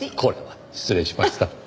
これは失礼しました。